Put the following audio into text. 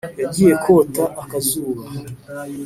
Yagiye kota akazuba